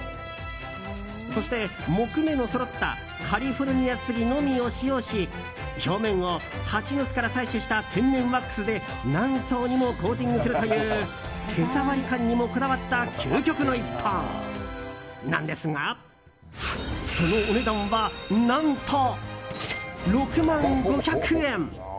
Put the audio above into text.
そして木目のそろったカリフォルニア杉のみを使用し表面をハチの巣から採取した天然ワックスで何層にもコーティングするという手触り感にもこだわった究極の一本なんですがそのお値段、何と６万５００円！